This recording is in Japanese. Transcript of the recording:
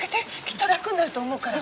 きっと楽になると思うから。